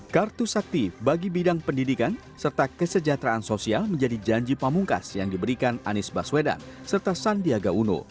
kartu sakti bagi bidang pendidikan serta kesejahteraan sosial menjadi janji pamungkas yang diberikan anies baswedan serta sandiaga uno